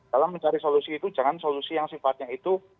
dalam mencari solusi itu jangan solusi yang sifatnya itu